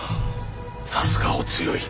さすがお強い。